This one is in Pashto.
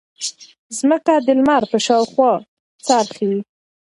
ځمکه د لمر په شاوخوا څرخي.